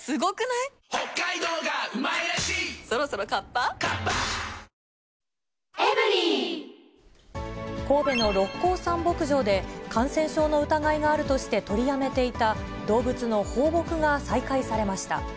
新しい長官には、神戸の六甲山牧場で、感染症の疑いがあるとして、取りやめていた動物の放牧が再開されました。